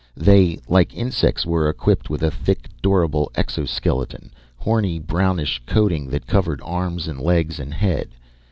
They, like insects, were equipped with a thick, durable exoskeleton, horny, brownish coating that covered arms and legs and head.